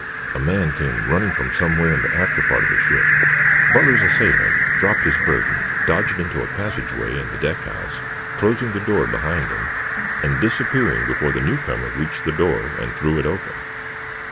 A man came running from somewhere in the after part of the ship. Butler's assailant dropped his burden, dodged into a passageway in the deck house, closing the door behind him and disappearing before the newcomer reached the door and threw it open.